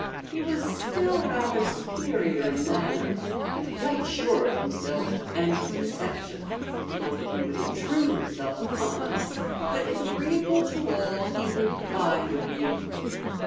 He was still rather superior in manner and quite sure of himself and his reception, not that he would intrude himself upon us, but if agreeable to all he would "bide a wee."